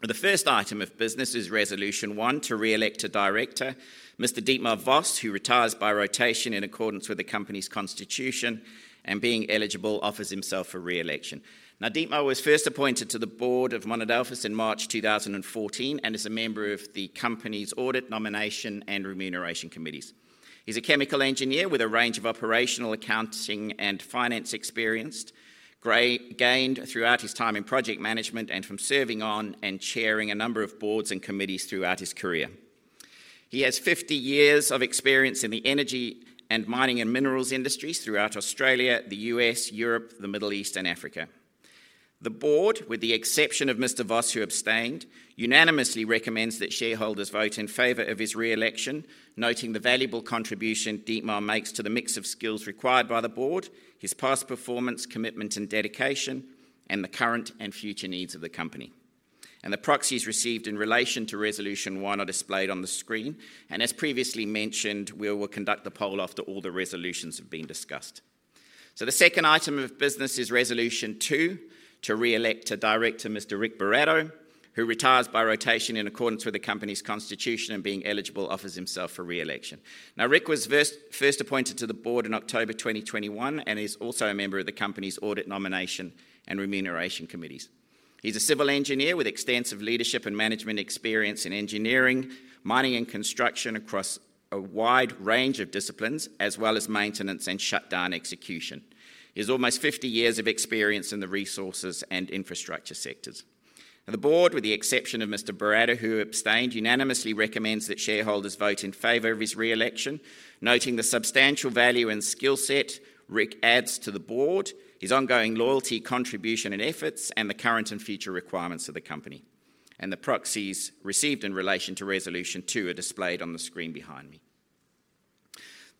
The first item of business is resolution one to re-elect a director, Mr. Dietmar Voss, who retires by rotation in accordance with the company's constitution and being eligible, offers himself for re-election. Now, Dietmar was first appointed to the board of Monadelphous in March 2014 and is a member of the company's audit, nomination, and remuneration committees. He's a chemical engineer with a range of operational accounting and finance experience gained throughout his time in project management and from serving on and chairing a number of boards and committees throughout his career. He has 50 years of experience in the energy and mining and minerals industries throughout Australia, the U.S., Europe, the Middle East, and Africa. The board, with the exception of Mr. Voss, who abstained, unanimously recommends that shareholders vote in favor of his re-election, noting the valuable contribution Dietmar makes to the mix of skills required by the board, his past performance, commitment, and dedication, and the current and future needs of the company. And the proxies received in relation to resolution one are displayed on the screen. And as previously mentioned, we will conduct the poll after all the resolutions have been discussed. So the second item of business is resolution two to re-elect a director, Mr. Rick Buratto, who retires by rotation in accordance with the company's constitution and being eligible, offers himself for re-election. Now, Rick was first appointed to the board in October 2021 and is also a member of the company's audit, nomination, and remuneration committees. He's a civil engineer with extensive leadership and management experience in engineering, mining, and construction across a wide range of disciplines, as well as maintenance and shutdown execution. He has almost 50 years of experience in the resources and infrastructure sectors. Now, the board, with the exception of Mr. Buratto, who abstained, unanimously recommends that shareholders vote in favor of his re-election, noting the substantial value and skill set Rick adds to the board, his ongoing loyalty, contribution, and efforts, and the current and future requirements of the company. And the proxies received in relation to resolution two are displayed on the screen behind me.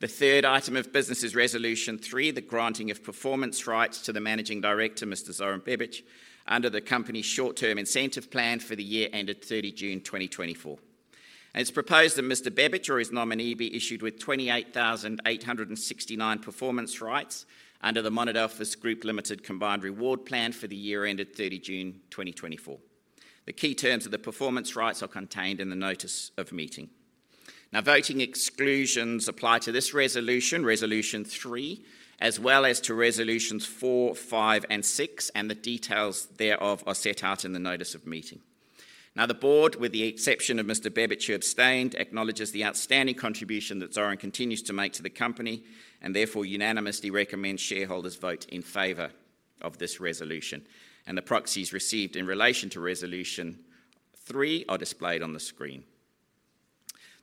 The third item of business is resolution three, the granting of performance rights to the managing director, Mr. Zoran Bebic, under the company's short-term incentive plan for the year ended 30 June 2024. It's proposed that Mr. Bebic or his nominee be issued with 28,869 performance rights under the Monadelphous Group Limited Combined Reward Plan for the year ended 30 June 2024. The key terms of the performance rights are contained in the notice of meeting. Now, voting exclusions apply to this resolution, resolution three, as well as to resolutions four, five, and six, and the details thereof are set out in the notice of meeting. Now, the board, with the exception of Mr. Bebic, who abstained, acknowledges the outstanding contribution that Zoran continues to make to the company and therefore unanimously recommends shareholders vote in favor of this resolution and the proxies received in relation to resolution three are displayed on the screen.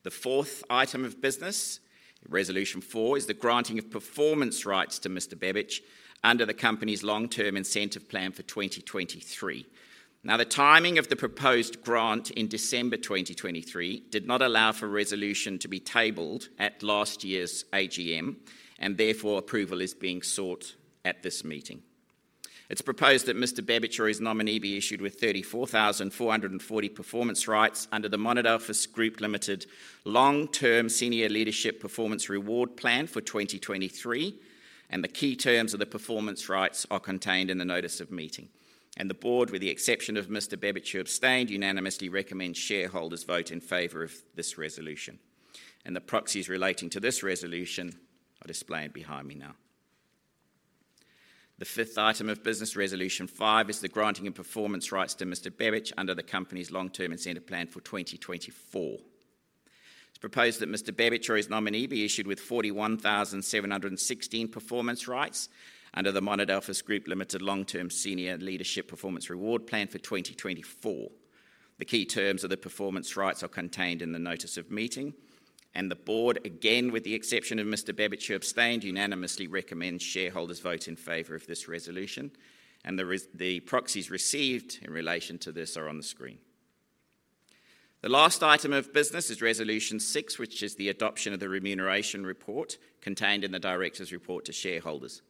The fourth item of business, resolution four, is the granting of performance rights to Mr. Bebic under the company's long-term incentive plan for 2023. Now, the timing of the proposed grant in December 2023 did not allow for resolution to be tabled at last year's AGM, and therefore approval is being sought at this meeting. It's proposed that Mr. Bebic, or his nominee, be issued with 34,440 performance rights under the Monadelphous Group Limited Long-Term Senior Leadership Performance Reward Plan for 2023, and the key terms of the performance rights are contained in the notice of meeting, and the board, with the exception of Mr. Bebic, who abstained, unanimously recommends shareholders vote in favor of this resolution, and the proxies relating to this resolution are displayed behind me now. The fifth item of business, resolution five, is the granting of performance rights to Mr. Bebic under the company's long-term incentive plan for 2024. It's proposed that Mr. Bebic, or his nominee, be issued with 41,716 performance rights under the Monadelphous Group Limited Long-Term Senior Leadership Performance Reward Plan for 2024. The key terms of the performance rights are contained in the notice of meeting. And the board, again, with the exception of Mr. Bebic, who abstained, unanimously recommends shareholders vote in favor of this resolution. And the proxies received in relation to this are on the screen. The last item of business is resolution six, which is the adoption of the remuneration report contained in the director's report to shareholders.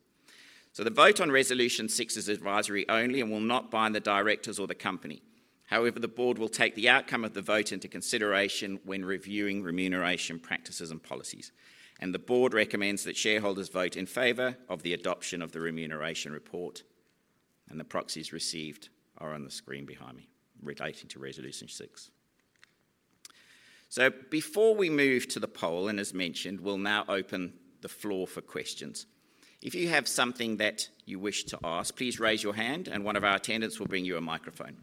So the vote on resolution six is advisory only and will not bind the directors or the company. However, the board will take the outcome of the vote into consideration when reviewing remuneration practices and policies. And the board recommends that shareholders vote in favor of the adoption of the remuneration report. And the proxies received are on the screen behind me relating to resolution six. So before we move to the poll, and as mentioned, we'll now open the floor for questions. If you have something that you wish to ask, please raise your hand, and one of our attendants will bring you a microphone.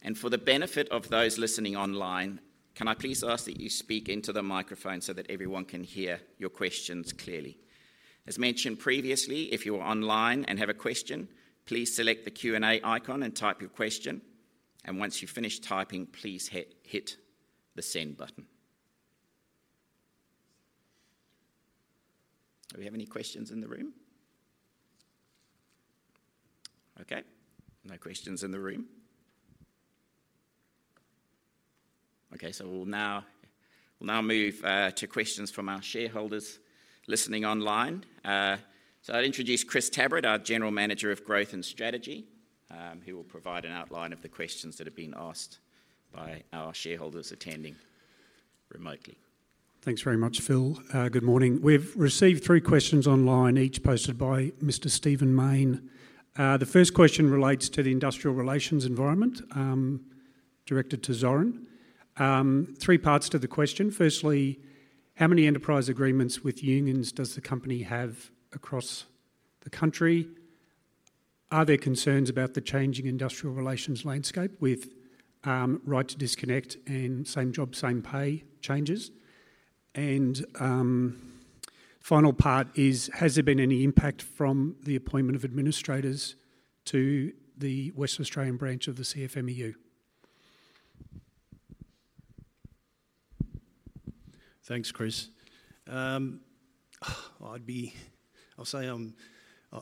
And for the benefit of those listening online, can I please ask that you speak into the microphone so that everyone can hear your questions clearly? As mentioned previously, if you're online and have a question, please select the Q&A icon and type your question. And once you finish typing, please hit the send button. Do we have any questions in the room? Okay. No questions in the room. Okay. So we'll now move to questions from our shareholders listening online. So I'll introduce Chris Tabrett, our General Manager of Growth and Strategy, who will provide an outline of the questions that have been asked by our shareholders attending remotely. Thanks very much, Phil. Good morning. We've received three questions online, each posted by Mr. Stephen Mayne. The first question relates to the industrial relations environment directed to Zoran. Three parts to the question. Firstly, how many enterprise agreements with unions does the company have across the country? Are there concerns about the changing industrial relations landscape with right to disconnect and same job, same pay changes? And final part is, has there been any impact from the appointment of administrators to the Western Australian branch of the CFMEU? Thanks, Chris. I'll say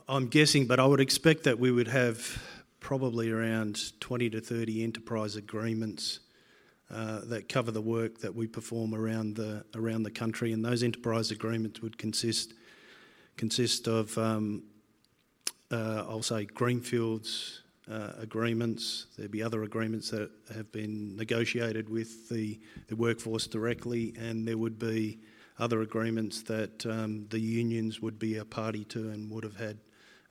I'm guessing, but I would expect that we would have probably around 20 to 30 enterprise agreements that cover the work that we perform around the country. And those enterprise agreements would consist of, I'll say, Greenfield aggreement. There'd be other agreements that have been negotiated with the workforce directly, and there would be other agreements that the unions would be a party to and would have had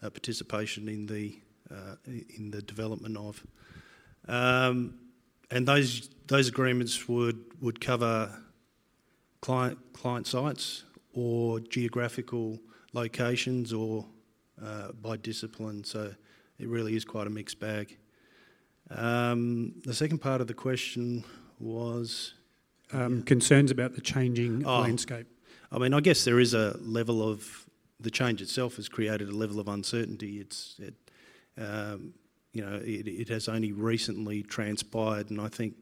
participation in the development of. And those agreements would cover client sites or geographical locations or by discipline. So it really is quite a mixed bag. The second part of the question was. Concerns about the changing landscape. I mean, I guess there is a level of the change itself has created a level of uncertainty. It has only recently transpired. And I think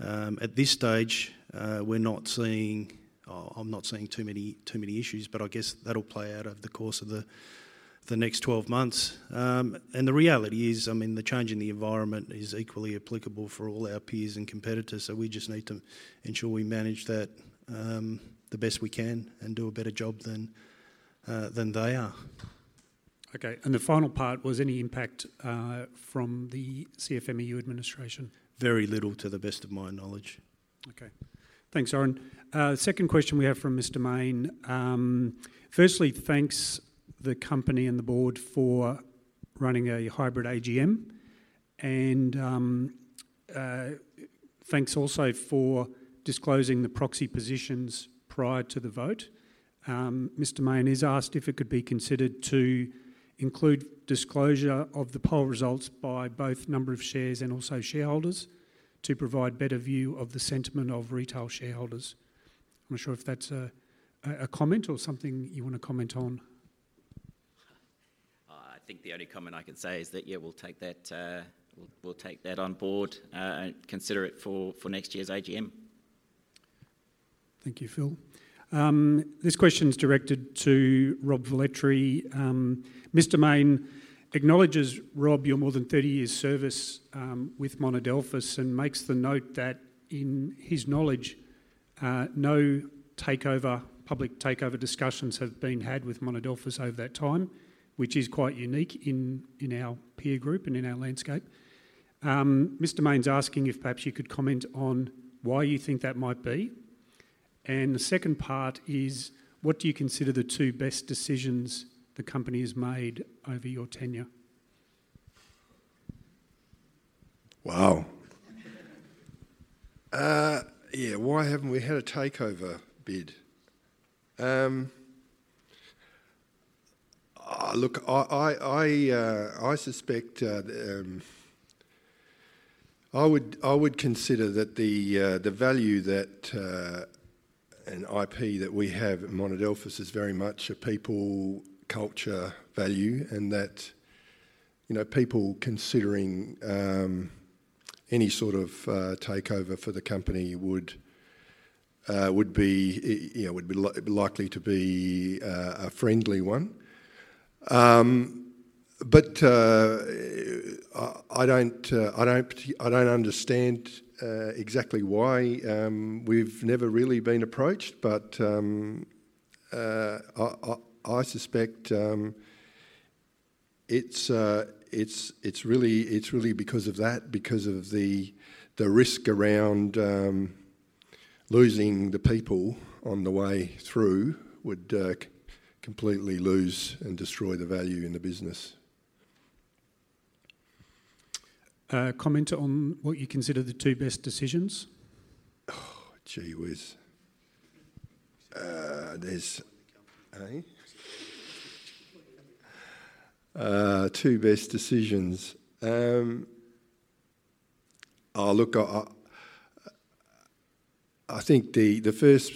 at this stage, we're not seeing too many issues, but I guess that'll play out over the course of the next 12 months. And the reality is, I mean, the change in the environment is equally applicable for all our peers and competitors. So we just need to ensure we manage that the best we can and do a better job than they are. Okay, and the final part was any impact from the CFMEU administration? Very little to the best of my knowledge. Okay. Thanks, Zoran. Second question we have from Mr. Mayne. Firstly, thanks the company and the board for running a hybrid AGM. And thanks also for disclosing the proxy positions prior to the vote. Mr. Mayne is asked if it could be considered to include disclosure of the poll results by both number of shares and also shareholders to provide better view of the sentiment of retail shareholders. I'm not sure if that's a comment or something you want to comment on. I think the only comment I can say is that, yeah, we'll take that on board and consider it for next year's AGM. Thank you, Phil. This question is directed to Rob Velletri. Mr.mayneMaacknowledges, Rob, your more than 30 years' service with Monadelphous and makes the note that in his knowledge, no public takeover discussions have been had with Monadelphous over that time, which is quite unique in our peer group and in our landscape. Mr. Mayne's asking if perhaps you could comment on why you think that might be. And the second part is, what do you consider the two best decisions the company has made over your tenure? Wow. Yeah. Why haven't we had a takeover bid? Look, I suspect I would consider that the value that and IP that we have at Monadelphous is very much a people culture value and that people considering any sort of takeover for the company would be likely to be a friendly one. But I don't understand exactly why we've never really been approached, but I suspect it's really because of that, because of the risk around losing the people on the way through would completely lose and destroy the value in the business. Comment on what you consider the two best decisions. Gee whiz. There's two best decisions. Look, I think the first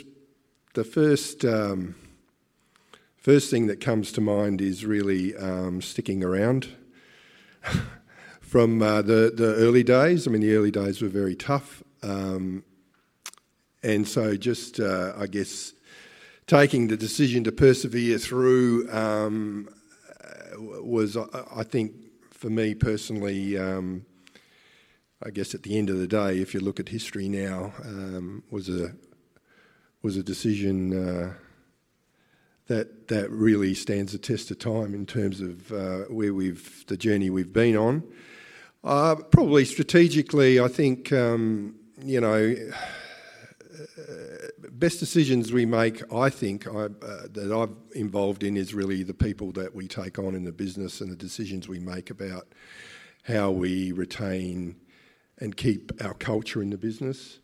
thing that comes to mind is really sticking around from the early days. I mean, the early days were very tough. And so just, I guess, taking the decision to persevere through was, I think, for me personally, I guess at the end of the day, if you look at history now, was a decision that really stands the test of time in terms of the journey we've been on. Probably strategically, I think best decisions we make, I think, that I've involved in is really the people that we take on in the business and the decisions we make about how we retain and keep our culture in the business.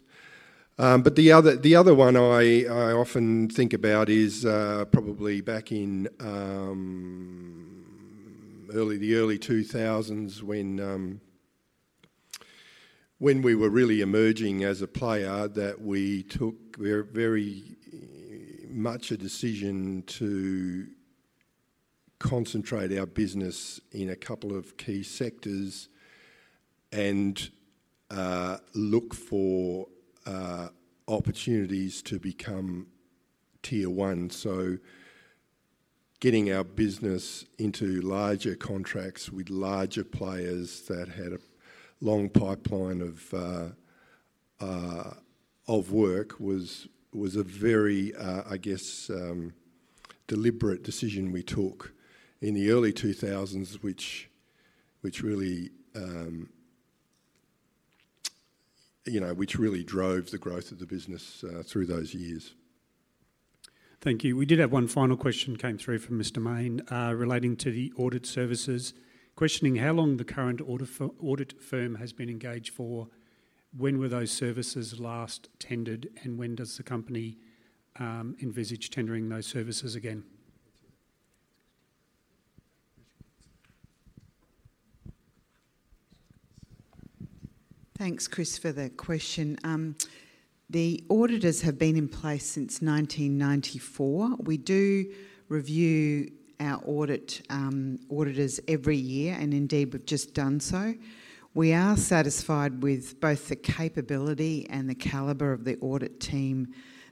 But the other one I often think about is probably back in the early 2000s when we were really emerging as a player that we took very much a decision to concentrate our business in a couple of key sectors and look for opportunities to become tier one. So getting our business into larger contracts with larger players that had a long pipeline of work was a very, I guess, deliberate decision we took in the early 2000s, which really drove the growth of the business through those years. Thank you. We did have one final question came through from Mr. Mayne relating to the audit services. Questioning how long the current audit firm has been engaged for, when were those services last tendered, and when does the company envisage tendering those services again? Thanks, Chris, for the question. The auditors have been in place since 1994. We do review our auditors every year, and indeed we've just done so. We are satisfied with both the capability and the caliber of the audit team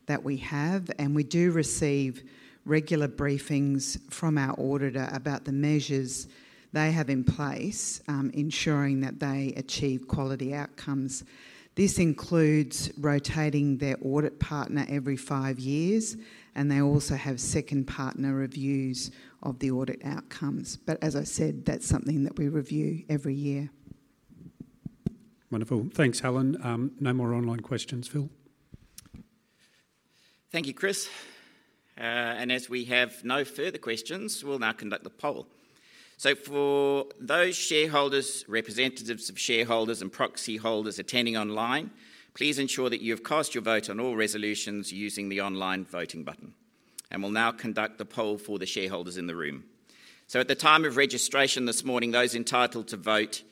that we have. And we do receive regular briefings from our auditor about the measures they have in place, ensuring that they achieve quality outcomes. This includes rotating their audit partner every five years, and they also have second partner reviews of the audit outcomes. But as I said, that's something that we review every year. Wonderful. Thanks, Helen. No more online questions, Phil. Thank you, Chris. And as we have no further questions, we'll now conduct the poll. So for those shareholders, representatives of shareholders, and proxy holders attending online, please ensure that you have cast your vote on all resolutions using the online voting button. And we'll now conduct the poll for the shareholders in the room. So at the time of registration this morning, those entitled to vote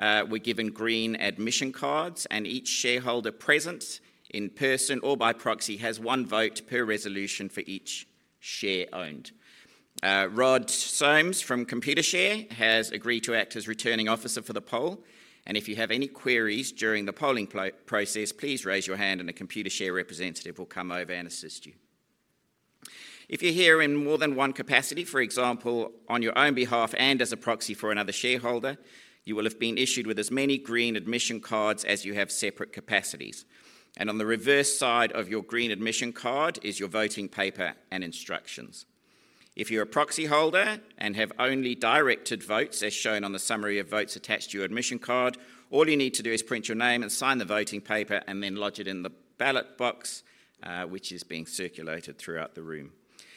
were given green admission cards, and each shareholder present in person or by proxy has one vote per resolution for each share owned. Rod sones from Computershare has agreed to act as returning officer for the poll. And if you have any queries during the polling process, please raise your hand, and a Computershare representative will come over and assist you. If you're here in more than one capacity, for example, on your own behalf and as a proxy for another shareholder, you will have been issued with as many green admission cards as you have separate capacities, and on the reverse side of your green admission card is your voting paper and instructions. If you're a proxy holder and have only directed votes, as shown on the summary of votes attached to your admission card, all you need to do is print your name and sign the voting paper and then lodge it in the ballot box, which is being circulated throughout the room.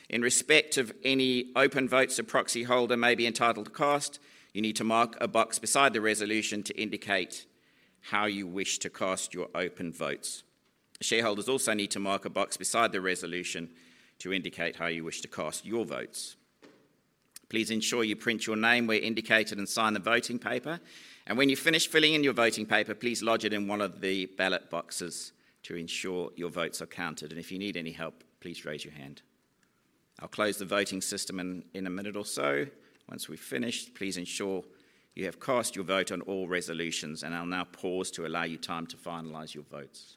In respect of any open votes a proxy holder may be entitled to cast, you need to mark a box beside the resolution to indicate how you wish to cast your open votes. Shareholders also need to mark a box beside the resolution to indicate how you wish to cast your votes. Please ensure you print your name where indicated and sign the voting paper, and when you've finished filling in your voting paper, please lodge it in one of the ballot boxes to ensure your votes are counted, and if you need any help, please raise your hand. I'll close the voting system in a minute or so. Once we've finished, please ensure you have cast your vote on all resolutions, and I'll now pause to allow you time to finalize your votes.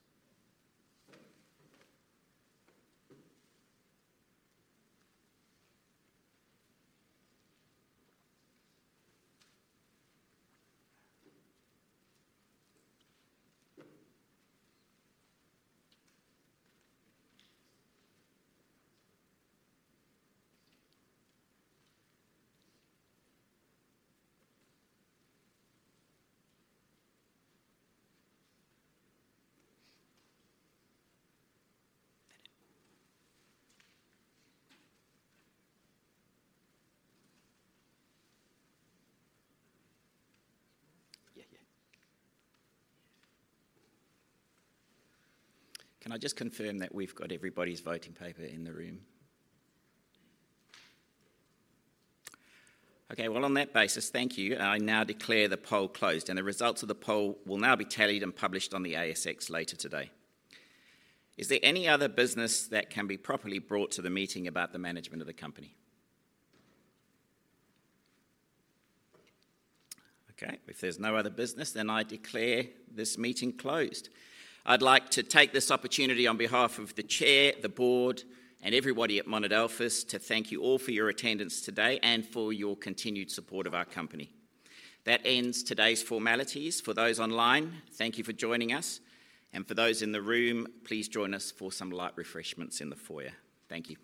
Yeah, yeah. Can I just confirm that we've got everybody's voting paper in the room? Okay. Well, on that basis, thank you. I now declare the poll closed, and the results of the poll will now be tallied and published on the ASX later today. Is there any other business that can be properly brought to the meeting about the management of the company? Okay. If there's no other business, then I declare this meeting closed. I'd like to take this opportunity on behalf of the chair, the board, and everybody at Monadelphous to thank you all for your attendance today and for your continued support of our company. That ends today's formalities. For those online, thank you for joining us. And for those in the room, please join us for some light refreshments in the foyer. Thank you.